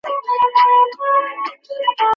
আগে বাড়ো, আমার দুর্ধর্ষ সৈন্যরা!